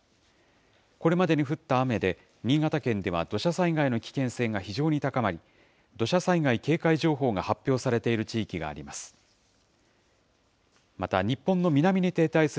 これまでに降った雨で新潟県では土砂災害の危険性が非常に高まり、土砂災害警戒情報が発表されている地域があります。